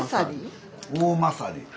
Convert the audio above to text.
「おおまさり」。